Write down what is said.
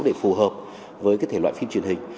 để phù hợp với cái thể loại phim truyền hình